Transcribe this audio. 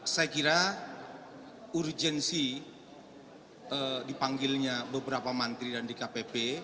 saya kira urgensi dipanggilnya beberapa mantri dan dkpp